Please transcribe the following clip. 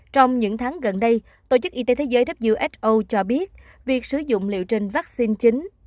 trong những tháng gần đây tổ chức y tế thế giới cho biết việc sử dụng liều trình vắc xin chính